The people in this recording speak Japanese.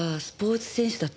スポーツ選手？